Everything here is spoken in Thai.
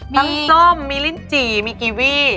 ทั้งส้มมีลินจี่มีกิวิ